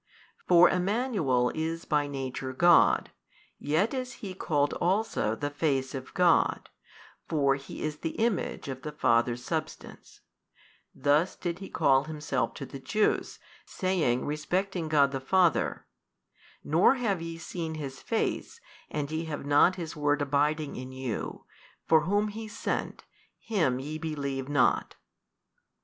For |224 Emmanuel is by Nature God, yet is He called also The Face of God: for He is the Image of the Father's Substance: thus did He call Himself to the Jews, saying respecting God the Father, Nor have ye seen His Face and ye have not His Word abiding in you, for Whom He sent, Him ye believe not.